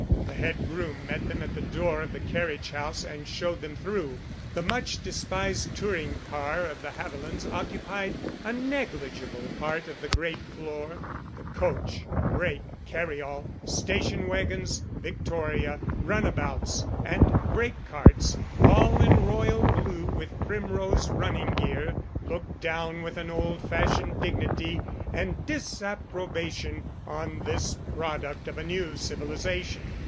The head groom met them at the door of the carriage house and showed them through. The much despised touring car of the Havilands occupied a negligible part of the great floor. The coach, brake, carryall, station wagons, victoria, runabouts, and brake carts—all in royal blue with primrose running gear—looked down with an old fashioned dignity and disapprobation on this product of a new civilization.